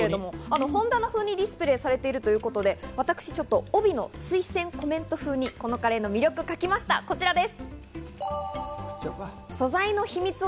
本棚風にディスプレイされているということで、私、帯の推薦コメント風にこのカレーの魅力を書きました、こちらです。